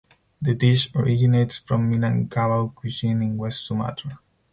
The dish originates from Minangkabau cuisine in West Sumatra.